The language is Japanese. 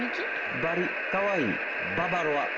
バリ、かわいい、ババロアＢＫＢ。